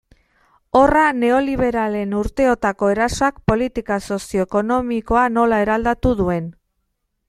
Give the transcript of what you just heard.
Horra neoliberalen urteotako erasoak politika sozio-ekonomikoa nola eraldatu duen.